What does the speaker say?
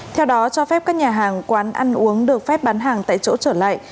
theo đó cho phép các nhà hàng quán ăn uống được phép bán hàng tại chỗ trở lại